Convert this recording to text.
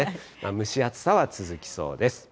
蒸し暑さは続きそうです。